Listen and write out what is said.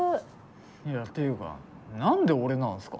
いやっていうか何で俺なんすか？